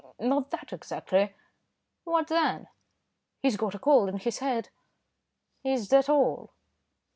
not that exactly." "What then?" "He's got a cold in his head." "Is that all?"